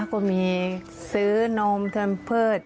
ป้าก็มีซื้อนมเทิมเพิศ